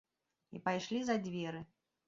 І пайшлі за дзверы.